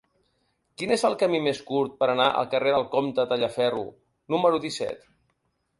Quin és el camí més curt per anar al carrer del Comte Tallaferro número disset?